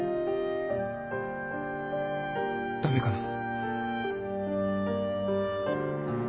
ダメかな？